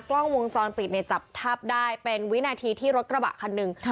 กล้องวงจรปิดเนี่ยจับภาพได้เป็นวินาทีที่รถกระบะคันหนึ่ง